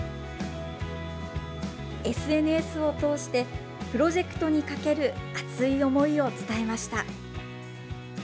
ＳＮＳを通して、プロジェクトにかける熱い思いを伝えました。